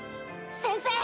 先生！